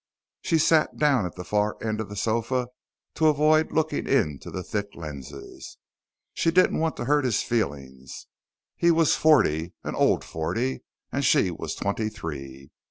She sat down at the far end of the sofa to avoid looking into the thick lenses. She didn't want to hurt his feelings. He was forty an old forty and she was twenty three.